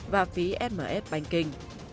và phí sms banking